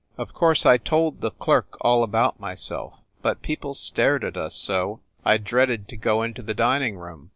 Of course I told the clerk all about myself, but people stared at us so I dreaded to go into the dining room.